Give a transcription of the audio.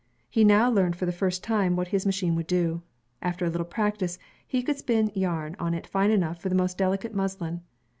He now learned for the first time what his machine would do. After a little practice, he could spin yarn on it fine enough for the most delicate muslin.